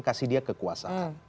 kasih dia kekuasaan